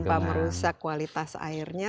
tanpa merusak kualitas airnya